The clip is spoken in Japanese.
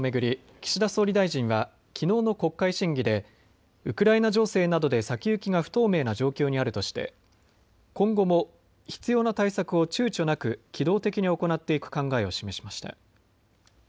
岸田総理大臣はきのうの国会審議でウクライナ情勢などで先行きが不透明な状況にあるとして今後も必要な対策をちゅうちょなく機動的に行っていく考えを示しました。